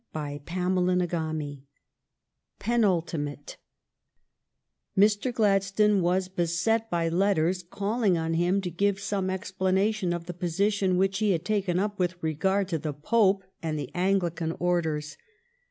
2E CHAPTER XXXIII PENULTIMATE Mr. Gladstone was beset by letters, calling on him to give some explanation of the position which he had taken up with regard to the Pope and the Anglican orders.